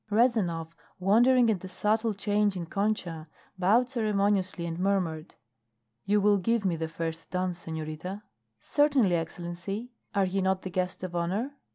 Rezanov, wondering at the subtle change in Concha, bowed ceremoniously and murmured: "You will give me the first dance, senorita?" "Certainly, Excellency. Are you not the guest of honor?"